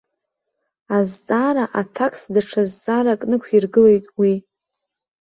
Азҵаара аҭакс даҽа зҵаарак нықәиргылеит уи.